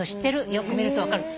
よく見ると分かる。